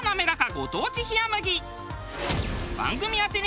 ご当地冷麦。